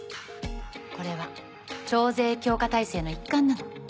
これは徴税強化体制の一環なの。